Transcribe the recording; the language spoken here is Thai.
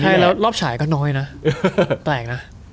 ใช่แล้วรอบฉายก็น้อยนะแตกนะ